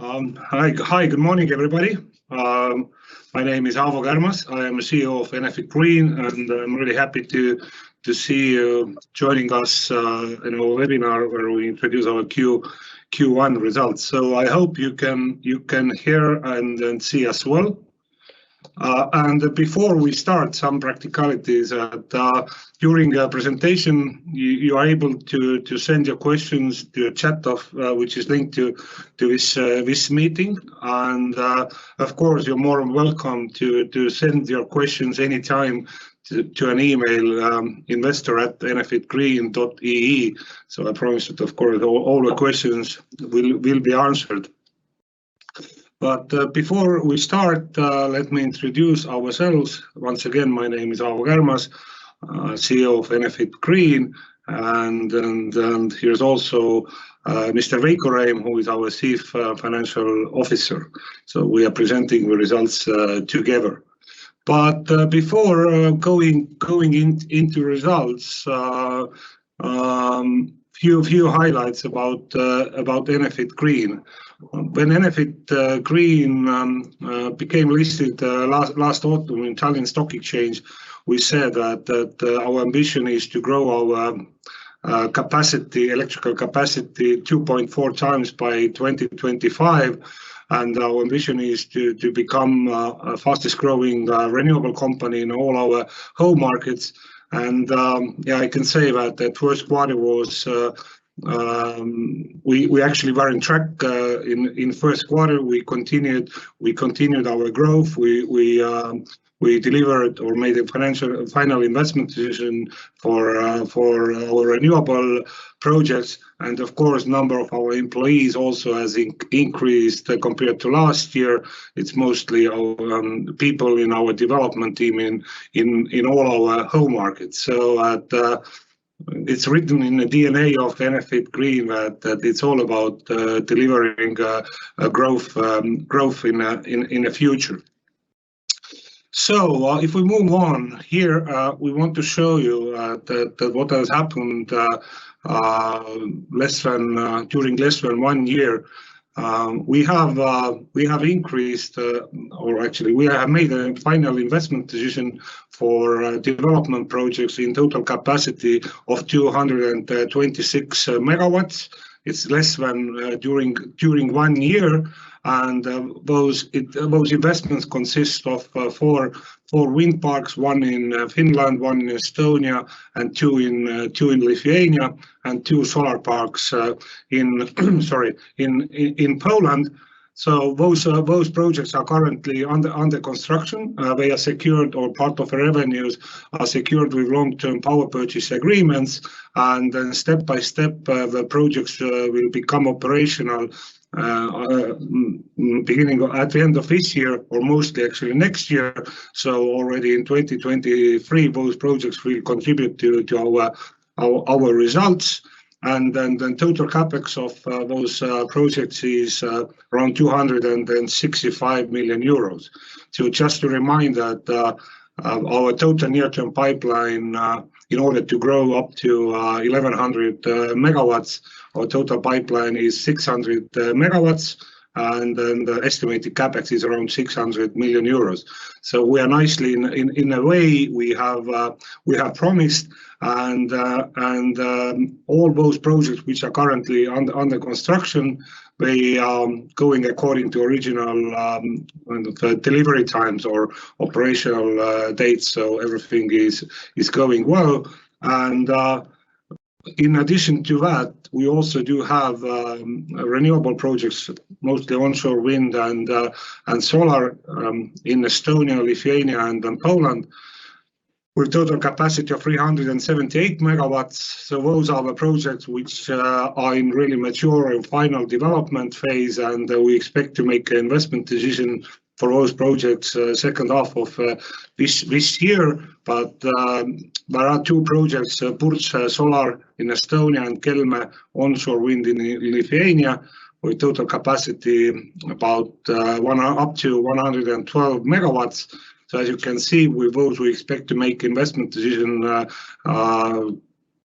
Hi, good morning, everybody. My name is Aavo Kärmas. I am CEO of Enefit Green, and I'm really happy to see you joining us in our webinar where we introduce our Q1 results. I hope you can hear and see us well. Before we start, some practicalities. During the presentation, you are able to send your questions to a chat which is linked to this meeting. Of course, you're more than welcome to send your questions any time to an email, investor@enefitgreen.ee. I promise that of course, all the questions will be answered. Before we start, let me introduce ourselves. Once again, my name is Aavo Kärmas, CEO of Enefit Green, and here's also Mr. Veiko Räim, who is our Chief Financial Officer. We are presenting the results together. Before going into results, few highlights about Enefit Green. When Enefit Green became listed last autumn in Tallinn Stock Exchange, we said that our ambition is to grow our capacity, electrical capacity 2.4x by 2025. Our ambition is to become fastest growing renewable company in all our home markets. Yeah, I can say that we actually were on track in Q1. We continued our growth. We delivered or made a final investment decision for our renewable projects. Of course, number of our employees also has increased compared to last year. It's mostly our people in our development team in all our home markets. It's written in the DNA of Enefit Green that it's all about delivering a growth in the future. If we move on, here we want to show you what has happened in less than one year. We have made a final investment decision for development projects in total capacity of 226 MW. It's in less than one year. Those investments consist of four wind parks, one in Finland, one in Estonia, and two in Lithuania, and two solar parks in Poland. Those projects are currently under construction. They are secured, or part of revenues are secured with long-term power purchase agreements. Then step by step, the projects will become operational beginning or at the end of this year, or mostly actually next year. Already in 2023, those projects will contribute to our results. Then total CapEx of those projects is around 265 million euros. Just to remind that our total near-term pipeline in order to grow up to 1,100 MW, our total pipeline is 600 MW, and then the estimated CapEx is around 600 million euros. We are nicely in a way we have promised, and all those projects which are currently under construction, they are going according to original when the delivery times or operational dates, so everything is going well. In addition to that, we also do have renewable projects, mostly onshore wind and solar, in Estonia, Lithuania, and in Poland, with total capacity of 378 MW. Those are the projects which are in really mature and final development phase, and we expect to make investment decision for those projects H2 of this year. There are two projects, Purtse Solar in Estonia and Kelmė onshore wind in Lithuania, with total capacity about up to 112 MW. As you can see, with those we expect to make investment decision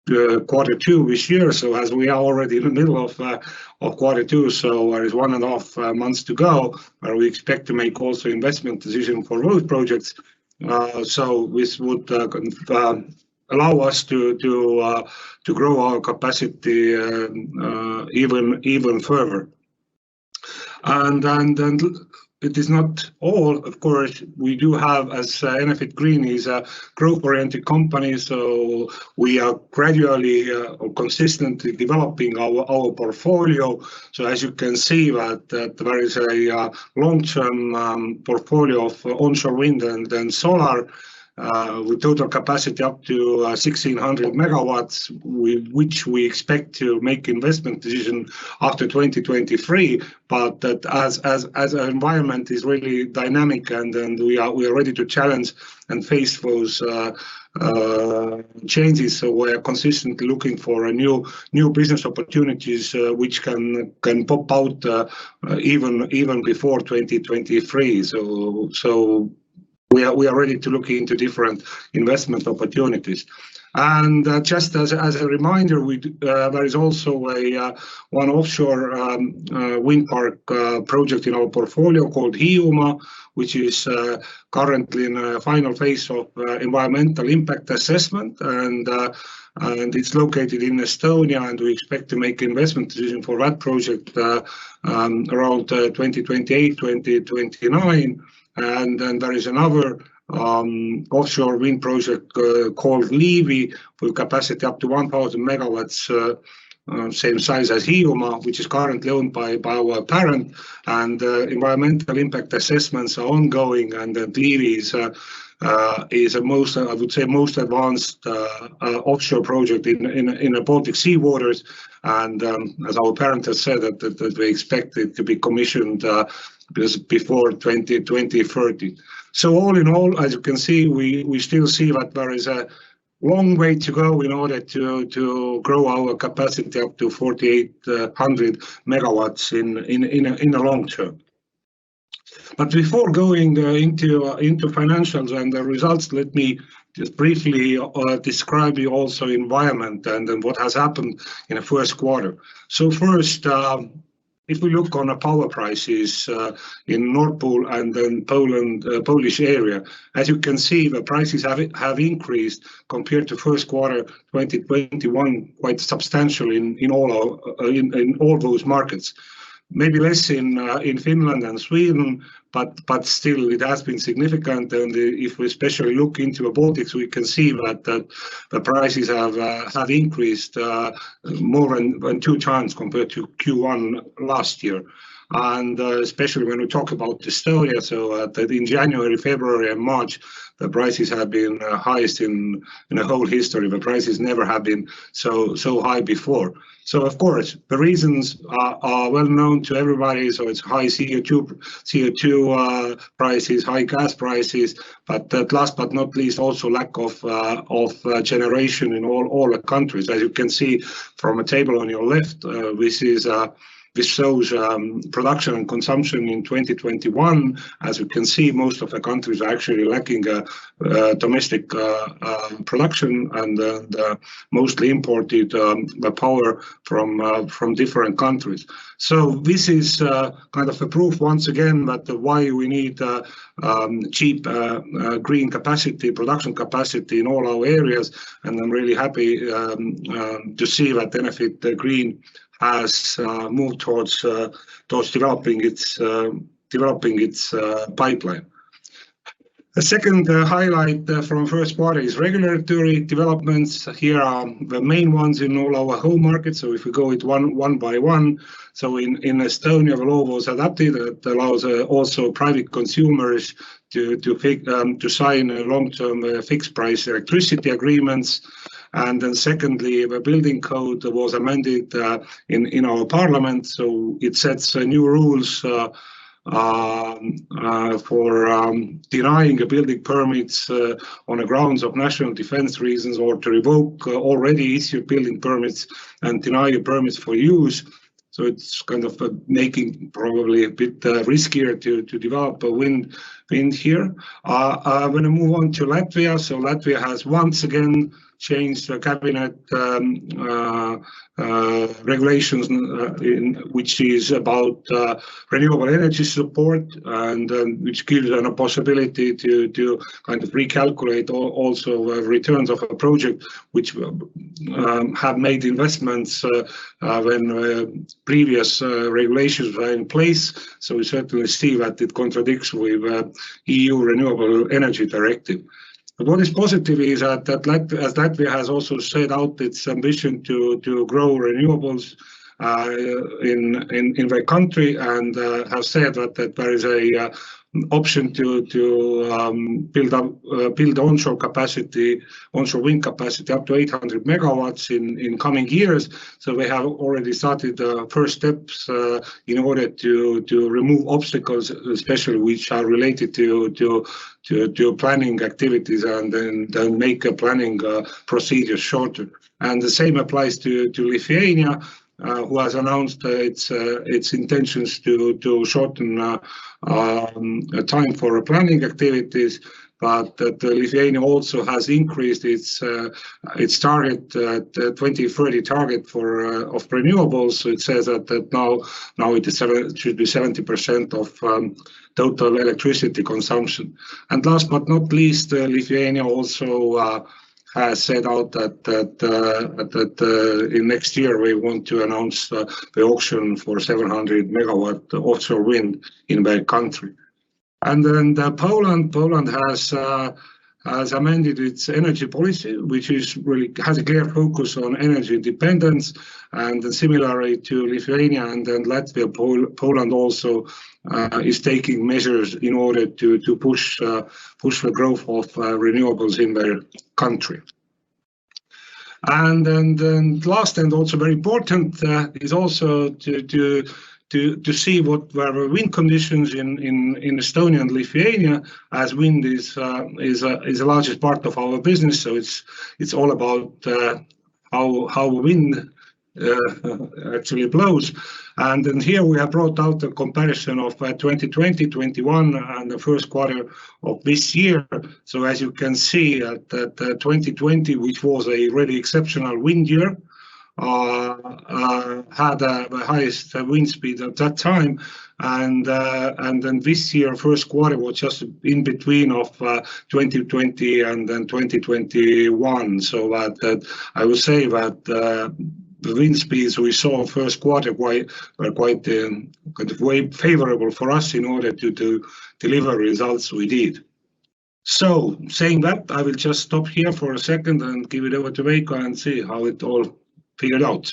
Q2 this year. As we are already in the middle of Q2, there is one and a half months to go, where we expect to make also investment decision for those projects. This would allow us to grow our capacity even further. It is not all, of course. We do have, as Enefit Green is a growth-oriented company, so we are gradually or consistently developing our portfolio. As you can see that there is a long term portfolio for onshore wind and then solar, with total capacity up to 1,600 MW, with which we expect to make investment decision after 2023. That as our environment is really dynamic and we are ready to challenge and face those changes. We are consistently looking for new business opportunities, which can pop out even before 2023. We are ready to look into different investment opportunities. Just as a reminder, there is also one offshore wind park project in our portfolio called Hiiumaa, which is currently in the final phase of environmental impact assessment, and it's located in Estonia, and we expect to make investment decision for that project around 2028, 2029. Then there is another offshore wind project called Liivi, with capacity up to 1,000 MW, same size as Hiiumaa, which is currently owned by our parent. Environmental impact assessments are ongoing, and Liivi is the most, I would say, most advanced offshore project in the Baltic seawaters. As our parent has said that they expect it to be commissioned before 2030. All in all, as you can see, we still see that there is a long way to go in order to grow our capacity up to 4,800 MW in the long term. Before going into financials and the results, let me just briefly describe to you also the environment and then what has happened in the Q1. First, if we look at the power prices in Nord Pool and then the Polish area, as you can see, the prices have increased compared to Q1, 2021 quite substantially in all those markets. Maybe less in Finland and Sweden, but still it has been significant. If we especially look into the Baltics, we can see that the prices have increased more than 2x compared to Q1 last year. Especially when we talk about Estonia, in January, February and March, the prices have been highest in the whole history. The prices never have been so high before. Of course, the reasons are well-known to everybody, it's high CO2 prices, high gas prices, but last but not least, also lack of generation in all the countries. As you can see from the table on your left, this shows production and consumption in 2021. As you can see, most of the countries are actually lacking domestic production and mostly imported the power from different countries. This is a proof once again that's why we need cheap green capacity, production capacity in all our areas. I'm really happy to see that Enefit Green has moved towards developing its pipeline. The second highlight from Q1 is regulatory developments. Here are the main ones in all our home markets. If we go over it one by one. In Estonia, the law was adopted that allows also private consumers to pick to sign long-term fixed price electricity agreements. Secondly, the building code was amended in our parliament, so it sets new rules for denying building permits on the grounds of national defense reasons or to revoke already issued building permits and deny you permits for use. It's making probably a bit riskier to develop wind here. When I move on to Latvia has once again changed the cabinet regulations, which is about renewable energy support and which gives a possibility to recalculate also returns of a project which have made investments when previous regulations were in place. We certainly see that it contradicts with EU Renewable Energy Directive. What is positive is that Latvia has also set out its ambition to grow renewables in their country and have said that there is a option to build up onshore wind capacity up to 800 MW in coming years. They have already started the first steps in order to remove obstacles, especially which are related to planning activities and then make a planning procedure shorter. The same applies to Lithuania who has announced its intentions to shorten time for planning activities. Lithuania also has increased its. It started at 2030 target for renewables. It says that now it is 70% of total electricity consumption. Last but not least, Lithuania also has set out that in next year we want to announce the auction for 700 MW offshore wind in their country. Poland has amended its energy policy, which really has a clear focus on energy independence and similarly to Lithuania and then Latvia, Poland also is taking measures in order to push the growth of renewables in their country. Then last and also very important is also to see what were wind conditions in Estonia and Lithuania as wind is the largest part of our business. It's all about how wind actually blows. Then here we have brought out a comparison of 2020, 2021, and the Q1 of this year. As you can see, 2020, which was a really exceptional wind year, had the highest wind speed at that time. Then this year Q1 was just in between 2020 and 2021. That I would say the wind speeds we saw first quarter were quite way favorable for us in order to deliver results we did. Saying that, I will just stop here for a second and give it over to Veiko and see how it all figured out.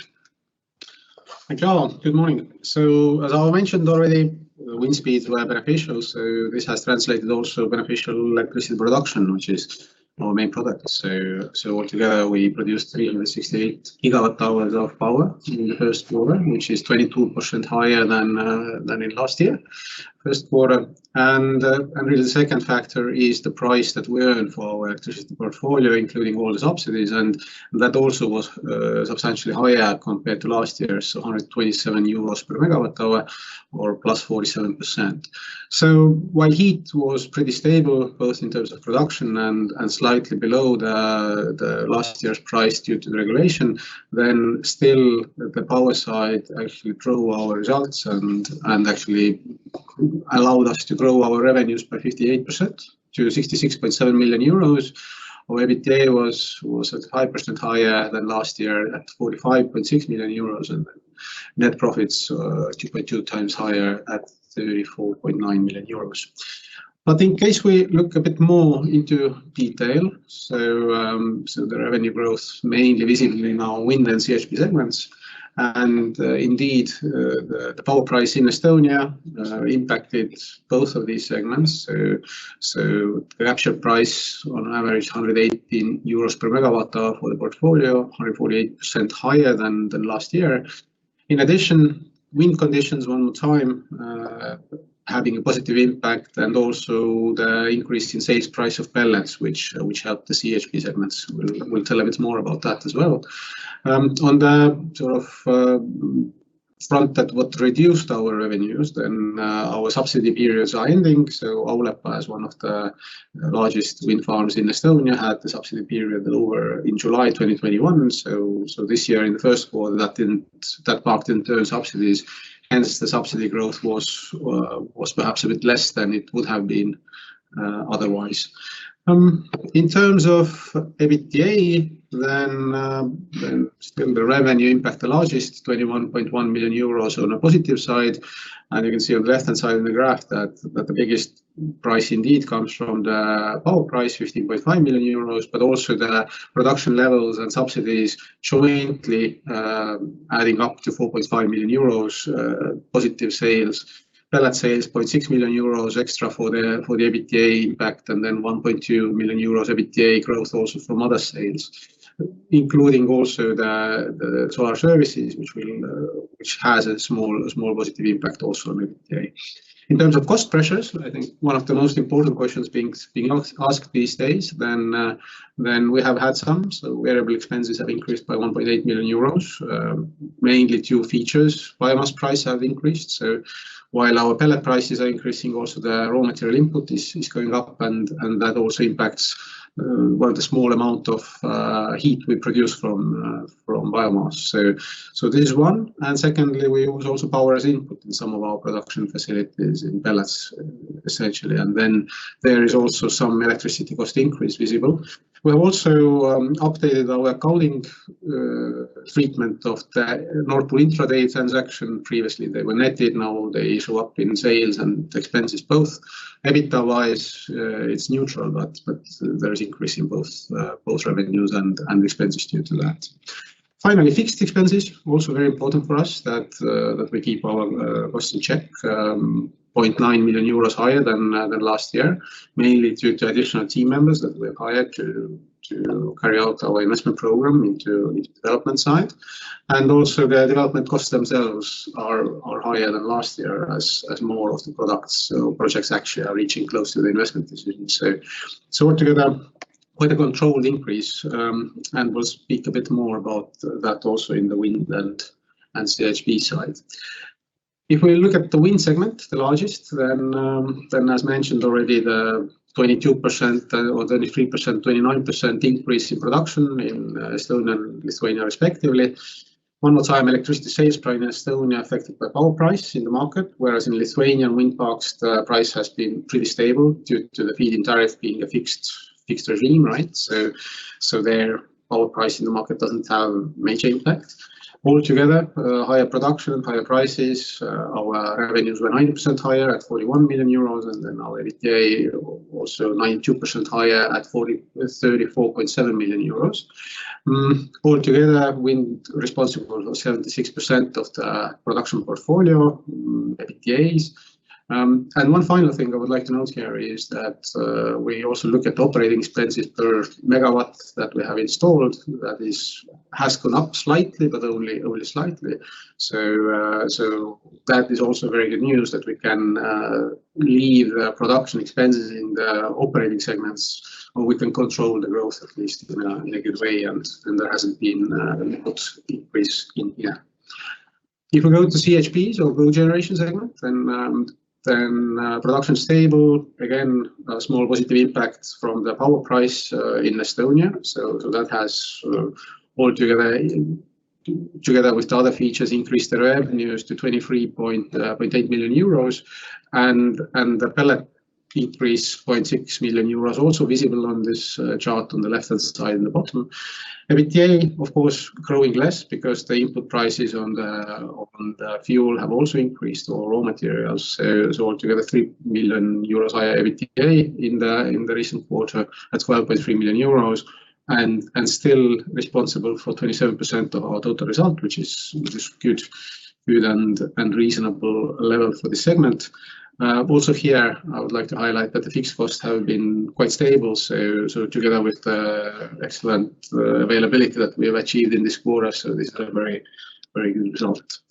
Thank you all. Good morning. As Aavo mentioned already, wind speeds were beneficial, so this has translated also beneficial electricity production, which is our main product. Altogether, we produced 368 GWh of power in the Q1, which is 22% higher than in last year, Q1. Really the second factor is the price that we earn for our electricity portfolio, including all the subsidies, and that also was substantially higher compared to last year's 127 euros per MWh or +47%. While heat was pretty stable, both in terms of production and slightly below the last year's price due to the regulation, then still the power side actually drove our results and actually allowed us to grow our revenues by 58% to 66.7 million euros. Our EBITDA was at 5% higher than last year at 45.6 million euros, and net profits 2.2x higher at 34.9 million euros. If we look a bit more into detail, the revenue growth mainly visible in our wind and CHP segments. Indeed, the power price in Estonia impacted both of these segments. The actual price on average 118 euros per MWh for the portfolio, 148% higher than the last year. In addition, wind conditions one more time having a positive impact and also the increase in sales price of pellets, which helped the CHP segments. We'll tell a bit more about that as well. On the sort of front that what reduced our revenues, our subsidy periods are ending. Auvere is one of the largest wind farms in Estonia, had the subsidy period over in July 2021. This year in the Q1, that lacked in terms of subsidies, hence the subsidy growth was perhaps a bit less than it would have been otherwise. In terms of EBITDA, then still the revenue impact the largest, 21.1 million euros on a positive side. You can see on the left-hand side of the graph that the biggest price indeed comes from the power price, 15.5 million euros, but also the production levels and subsidies jointly adding up to 4.5 million euros positive sales. Pellet sales, 0.6 million euros extra for the EBITDA impact, and then 1.2 million euros EBITDA growth also from other sales, including also the solar services, which has a small positive impact also on EBITDA. In terms of cost pressures, I think one of the most important questions being asked these days, then we have had some. Variable expenses have increased by 1.8 million euros, mainly two factors. Biomass prices have increased. While our pellet prices are increasing, also the raw material input is going up, and that also impacts the small amount of heat we produce from biomass. This is one, and secondly, we use also power as input in some of our production facilities in pellets, essentially. Then there is also some electricity cost increase visible. We've also updated our accounting treatment of the Nord Pool intraday transaction. Previously, they were netted. Now they show up in sales and expenses both. EBITDA-wise, it's neutral, but there is increase in both revenues and expenses due to that. Finally, fixed expenses, also very important for us that we keep our costs in check, 0.9 million euros higher than last year, mainly due to additional team members that we have hired to carry out our investment program into development side. Also the development costs themselves are higher than last year as more of the products or projects actually are reaching close to the investment decision. Altogether, quite a controlled increase, and we'll speak a bit more about that also in the wind and CHP side. If we look at the wind segment, the largest, then as mentioned already, the 22% or 23%, 29% increase in production in Estonia and Lithuania respectively. One more time, electricity sales price in Estonia affected by power price in the market, whereas in Lithuanian wind park's, the price has been pretty stable due to the feed-in tariff being a fixed regime, right? There, power price in the market doesn't have major impact. Altogether, higher production, higher prices, our revenues were 90% higher at 41 million euros, and then our EBITDA also 92% higher at 34.7 million euros. Altogether, wind responsible for 76% of the production portfolio, EBITDA's. One final thing I would like to note here is that, we also look at operating expenses per megawatt that we have installed. That has gone up slightly, but only slightly. That is also very good news that we can leave production expenses in the operating segments, or we can control the growth at least in a good way, and there hasn't been a large increase in here. If we go to CHPs or heat generation segment, production stable. Again, a small positive impact from the power price in Estonia. That has together with the other features increased their revenues to 23.8 million euros, and the pellet increase, 0.6 million euros, also visible on this chart on the left-hand side in the bottom. EBITDA, of course, growing less because the input prices on the fuel have also increased, or raw materials. Altogether 3 million euros higher EBITDA in the recent quarter at 12.3 million euros, and still responsible for 27% of our total result, which is good and reasonable level for the segment. Also here I would like to highlight that the fixed costs have been quite stable, so together with the excellent availability that we have achieved in this quarter, so these are very good results.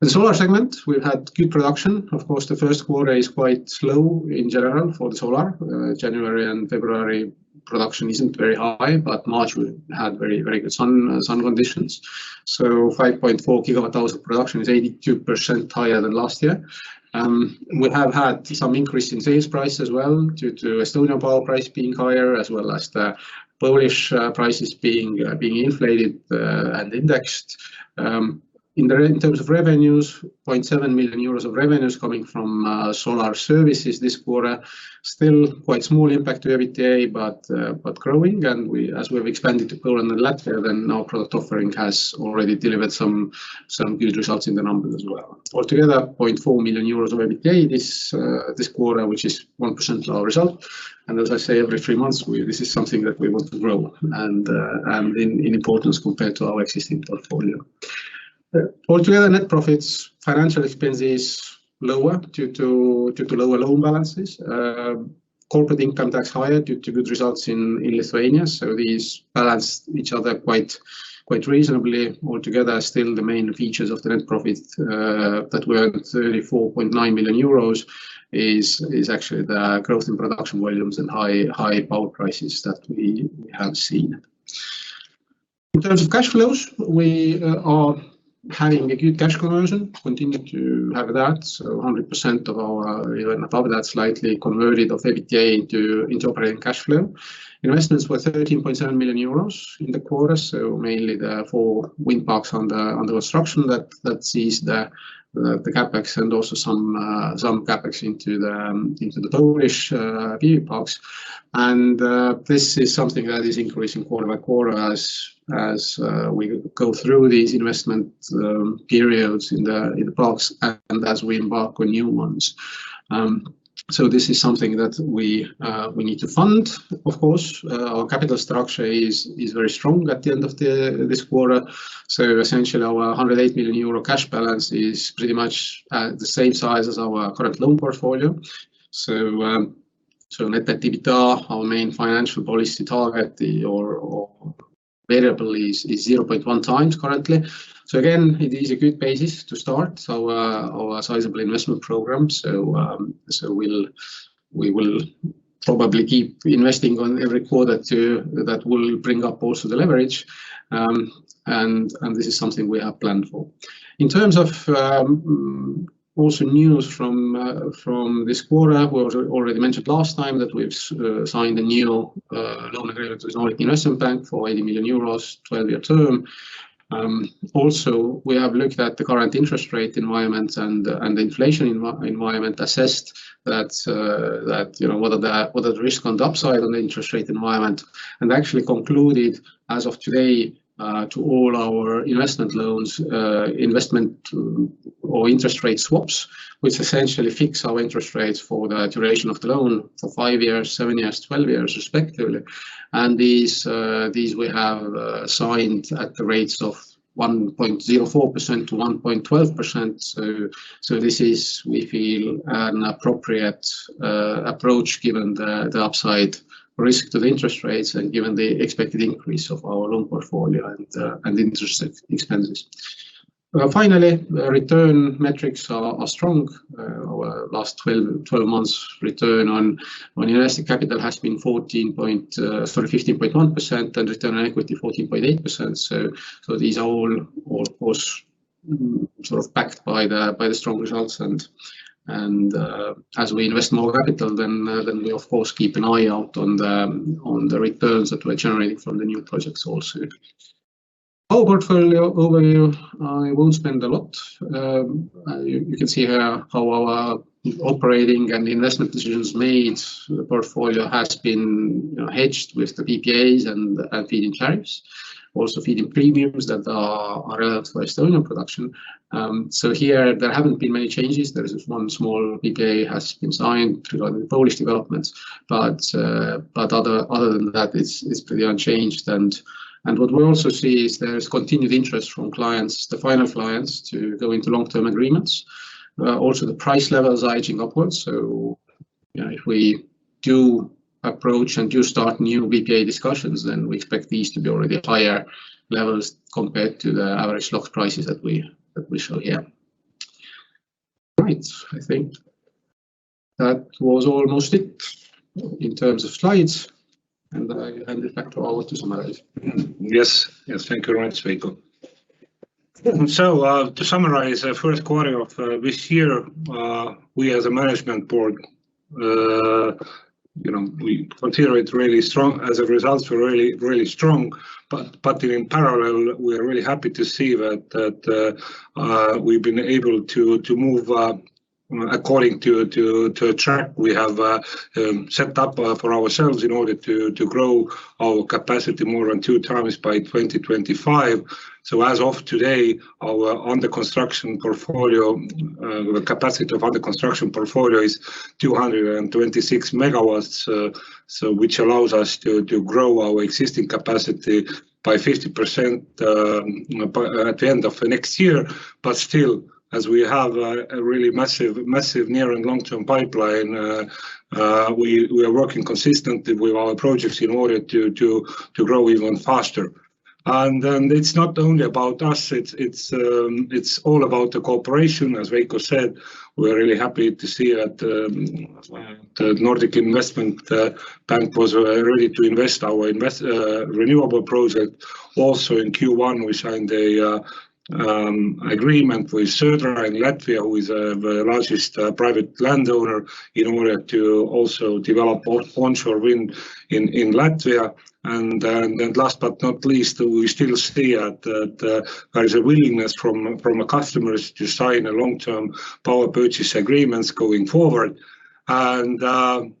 The solar segment, we've had good production. Of course, the Q1 is quite slow in general for the solar. January and February production isn't very high, but March we had very good sun conditions. 5.4 GWh of production is 82% higher than last year. We have had some increase in sales price as well due to Estonian power price being higher, as well as the Polish prices being inflated and indexed. In terms of revenues, 0.7 million euros of revenues coming from solar services this quarter. Still quite small impact to EBITDA but growing. As we have expanded to Poland and Latvia, then our product offering has already delivered some good results in the numbers as well. Altogether 0.4 million euros of EBITDA this quarter, which is 1% of our result. As I say every three months, this is something that we want to grow in importance compared to our existing portfolio. Altogether net profits, financial expenses lower due to lower loan balances. Corporate income tax higher due to good results in Lithuania. These balance each other quite reasonably. Altogether still the main features of the net profit that were 34.9 million euros is actually the growth in production volumes and high power prices that we have seen. In terms of cash flows, we are having a good cash conversion. Continue to have that. 100% of our EBITDA, even slightly above that, converted into operating cash flow. Investments were 13.7 million euros in the quarter, mainly the four wind parks under construction that's the CapEx and also some CapEx into the Polish PV Parks. This is something that is increasing quarter by quarter as we go through these investment periods in the parks and as we embark on new ones. This is something that we need to fund, of course. Our capital structure is very strong at the end of this quarter. Essentially our 108 million euro cash balance is pretty much the same size as our current loan portfolio. Net activity, our main financial policy target or variable is 0.1x currently. Again, it is a good basis to start our sizable investment program. We will probably keep investing in every quarter. That will also bring up the leverage, and this is something we have planned for. In terms of also news from this quarter, we already mentioned last time that we've signed a new loan agreement with Nordic Investment Bank for 80 million euros, 12-year term. Also we have looked at the current interest rate environment and the inflation environment, assessed that you know whether the risk on the upside on the interest rate environment, and actually concluded as of today to all our investment loans or interest rate swaps, which essentially fix our interest rates for the duration of the loan for five years, seven years, 12 years respectively. These we have signed at the rates of 1.04%-1.12%. This is, we feel, an appropriate approach given the upside risk to the interest rates and given the expected increase of our loan portfolio and interest expenses. Finally, return metrics are strong. Our last 12 months return on invested capital has been 15.1% and return on equity 14.8%. These are all of course backed by the strong results. As we invest more capital then we of course keep an eye out on the returns that we're generating from the new projects also. Our portfolio overview, I won't spend a lot. You can see here how our operating and investment decisions made. The portfolio has been, you know, hedged with the PPAs and Feed-In Tariffs. Also Feed-In Premiums that are relevant for Estonian production. Here there haven't been many changes. There is one small PPA has been signed regarding the Polish developments, but other than that it's pretty unchanged. What we also see is there is continued interest from clients, the final clients, to go into long-term agreements. Also the price level is edging upwards, so. Yeah, if we do approach and do start new PPA discussions, then we expect these to be already higher levels compared to the average lock prices that we show here. Right. I think that was almost it in terms of slides, and I hand it back to Aavo to summarize. Yes. Yes. Thank you. Right, Veiko. To summarize, Q1 of this year, we as a management board, you know, we consider it really strong, as a result were really strong but in parallel, we're really happy to see that we've been able to move according to track we have set up for ourselves in order to grow our capacity more than 2x by 2025. As of today, our under construction portfolio capacity is 226 MW. Which allows us to grow our existing capacity by 50% by at the end of next year. Still, as we have a really massive near and long-term pipeline, we are working consistently with our projects in order to grow even faster. It's not only about us, it's all about the cooperation. As Veiko said, we're really happy to see that the Nordic Investment Bank was ready to invest in our renewable project. Also in Q1, we signed an agreement with Södra in Latvia, who is the largest private landowner in order to also develop onshore wind in Latvia. Last but not least, we still see that there is a willingness from our customers to sign long-term power purchase agreements going forward. Lastly,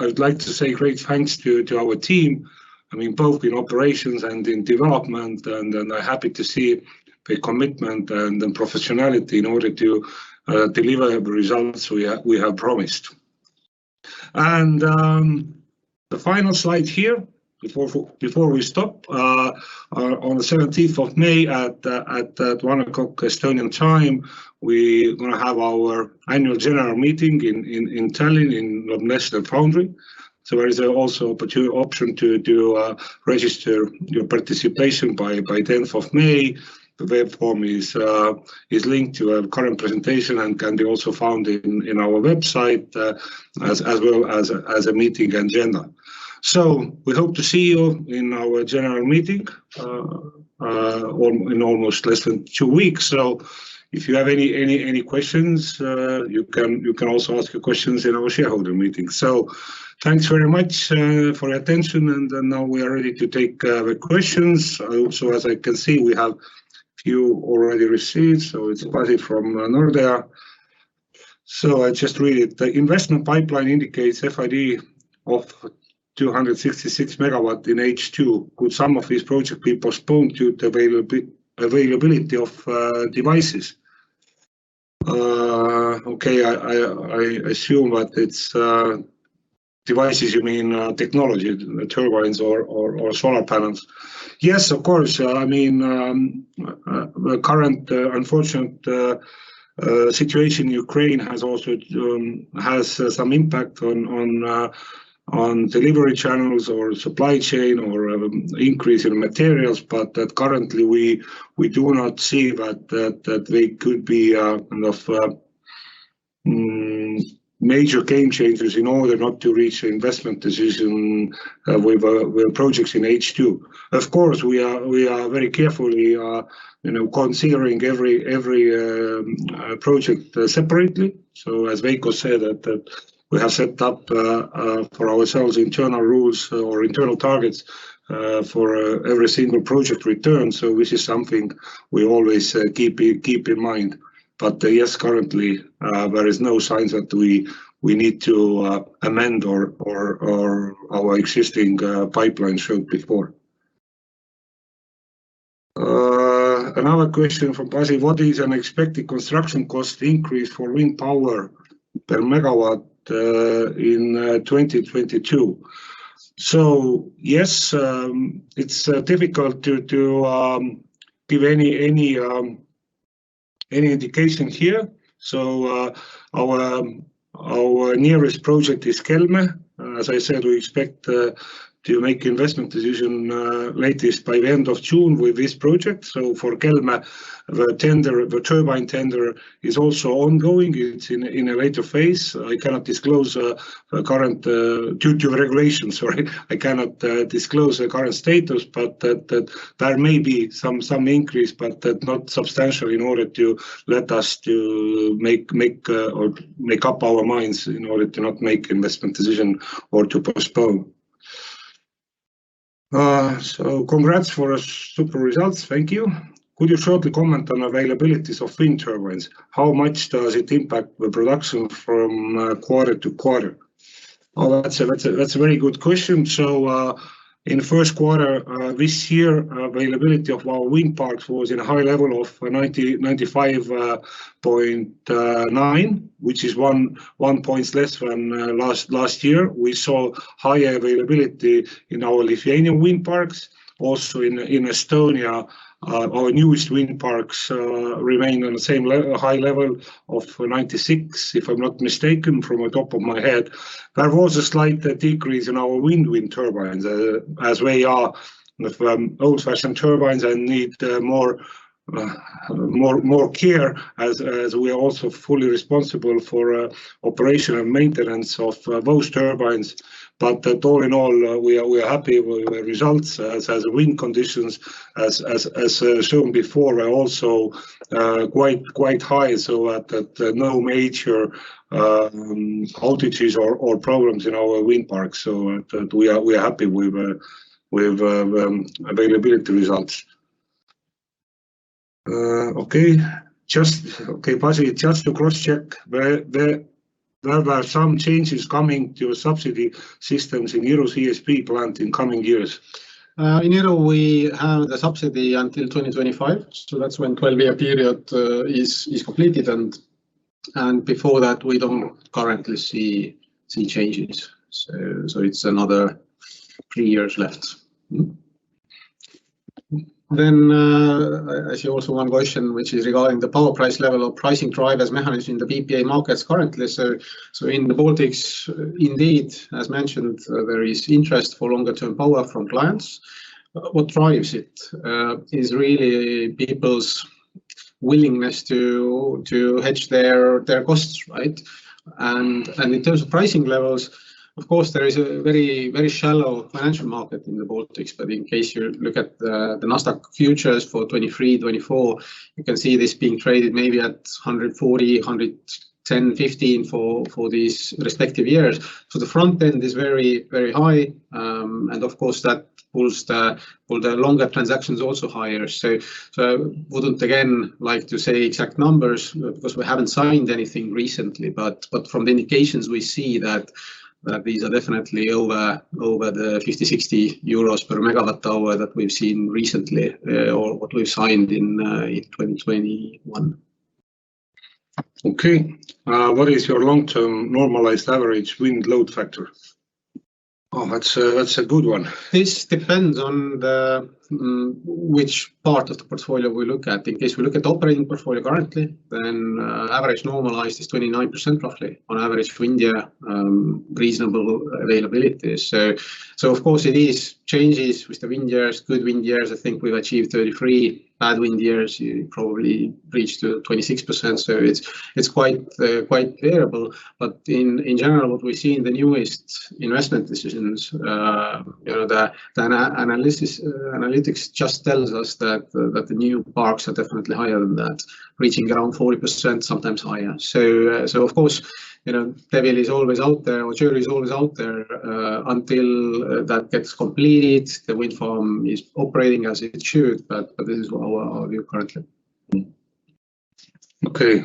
I would like to say great thanks to our team. I mean, both in operations and in development, and I'm happy to see the commitment and the professionality in order to deliver the results we have promised. The final slide here before we stop, on the 17th of May at 1:00 P.M. Estonian time, we gonna have our annual general meeting in Tallinn, in Noblessner Foundry. There is also opportunity, option to register your participation by 10th of May. The web form is linked to a current presentation and can be also found in our website, as well as a meeting agenda. We hope to see you in our general meeting, in almost less than two weeks. If you have any questions, you can also ask your questions in our shareholder meeting. Thanks very much for attention, and now we are ready to take the questions. Also, as I can see, we have a few already received, so it's Pasi from Nordea. I just read. The investment pipeline indicates FID of 266 MW in H2. Could some of these projects be postponed due to availability of devices? Okay. I assume that it's devices, you mean technology, turbines or solar panels? Yes, of course. I mean, the current unfortunate situation in Ukraine has also some impact on delivery channels or supply chain or increase in materials, but currently we do not see that they could be major game changers in order not to reach investment decision with projects in H2. Of course, we are very carefully, you know, considering every project separately. As Veiko said, we have set up for ourselves internal rules or internal targets for every single project return. This is something we always keep in mind. Yes, currently, there is no signs that we need to amend or our existing pipeline shown before. Another question from Pasi. What is unexpected construction cost increase for wind power per megawatt in 2022? Yes, it's difficult to give any indication here. Our nearest project is Kelmė. As I said, we expect to make investment decision latest by the end of June with this project. For Kelmė, the tender, the turbine tender is also ongoing. It's in a later phase. I cannot disclose current due to regulations or I cannot disclose the current status, but that there may be some increase, but not substantial in order to let us to make or make up our minds in order to not make investment decision or to postpone. Congrats for super results. Thank you. Could you shortly comment on availabilities of wind turbines? How much does it impact the production from quarter-to-quarter? Oh, that's a very good question. In the Q1 this year, availability of our wind parks was in a high level of 95.9%, which is one point less from last year. We saw higher availability in our Lithuanian wind parks. Also in Estonia, our newest wind parks remain on the same high level of 96%, if I'm not mistaken, from the top of my head. There was a slight decrease in our wind turbines as we are old-fashioned turbines and need more care as we are also fully responsible for operation and maintenance of those turbines. All in all, we are happy with the results as wind conditions as shown before are also quite high. No major outages or problems in our wind parks. We are happy with availability results. Okay. Okay, Pasi, just to cross-check, there are some changes coming to your subsidy systems in Iru CHP plant in coming years. In Iru we have the subsidy until 2025, so that's when 12 year period is completed, and before that we don't currently see changes. It's another three years left. I see also one question which is regarding the power price level or pricing drivers managed in the PPA markets currently. In the Baltics, indeed, as mentioned, there is interest for longer term power from clients. What drives it is really people's willingness to hedge their costs, right? In terms of pricing levels, of course, there is a very, very shallow financial market in the Baltics. In case you look at the Nasdaq futures for 2023, 2024, you can see this being traded maybe at 140, 110, 115 for these respective years. The front end is very, very high. Of course that pulls the longer transactions also higher. I wouldn't again like to say exact numbers because we haven't signed anything recently, but from the indications we see that these are definitely over the 50 euros/60 per MWh that we've seen recently, or what we've signed in 2021. Okay, what is your long-term normalized average wind load factor? Oh, that's a good one. This depends on the which part of the portfolio we look at. In case we look at operating portfolio currently, then average normalized is 29% roughly on average wind year. Reasonable availability. Of course it changes with the wind years, good wind years, I think we've achieved 33%. Bad wind years, you probably reached to 26%. It's quite variable. In general, what we see in the newest investment decisions, the analysis analytics just tells us that the new parks are definitely higher than that, reaching around 40%, sometimes higher. Of course, you know, [new wind] is always out there, or jury is always out there, until that gets completed, the wind farm is operating as it should, but this is our view currently. Okay.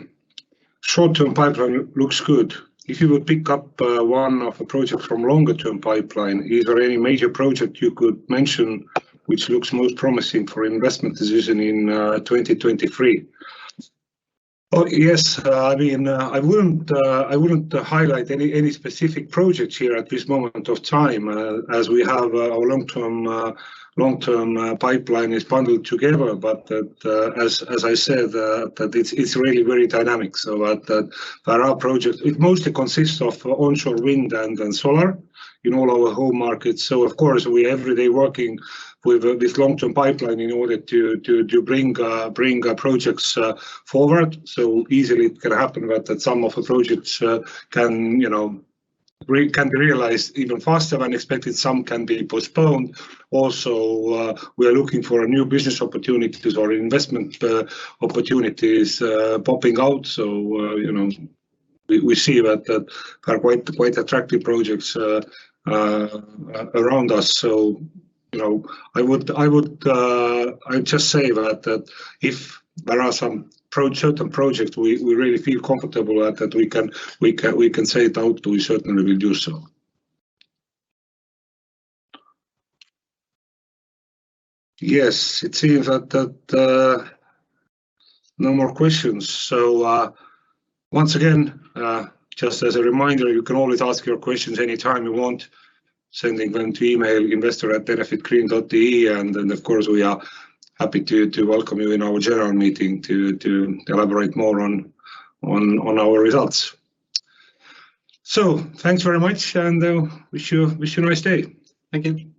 Short-term pipeline looks good. If you would pick up one project from longer term pipeline, is there any major project you could mention which looks most promising for investment decision in 2023? Oh, yes. I mean, I wouldn't highlight any specific projects here at this moment of time, as we have our long-term pipeline bundled together. As I said, it's really very dynamic. That there are projects. It mostly consists of onshore wind and solar in all our home markets. Of course, we're every day working with this long-term pipeline in order to bring projects forward. Easily it can happen that some of the projects can be realized even faster than expected, some can be postponed. Also, we are looking for new business opportunities or investment opportunities popping out. You know, we see that there are quite attractive projects around us. You know, I would just say that if there are some certain projects we really feel comfortable at, that we can say it out, we certainly will do so. Yes, it seems that no more questions. Once again, just as a reminder, you can always ask your questions any time you want, sending them to email investor@enefitgreen.ee. Then of course, we are happy to welcome you in our general meeting to elaborate more on our results. Thanks very much and wish you a nice day. Thank you.